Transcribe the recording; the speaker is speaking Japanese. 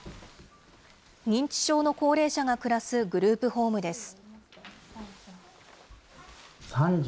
認知症の高齢者が暮らすグループホームです。